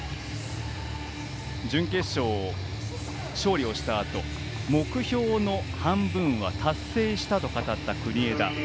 準決勝、勝利をしたあと目標の半分は達成したと語った国枝。